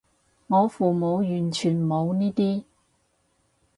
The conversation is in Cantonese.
我父母完全冇呢啲